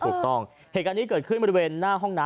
ถูกต้องเหตุการณ์นี้เกิดขึ้นบริเวณหน้าห้องน้ำ